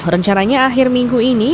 rencananya akhir minggu ini